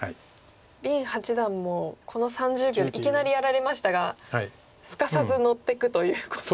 林八段もこの３０秒でいきなりやられましたがすかさず乗っていくということで。